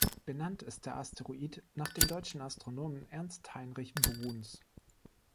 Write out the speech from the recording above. Benannt ist der Asteroid nach dem deutschen Astronomen Ernst Heinrich Bruns.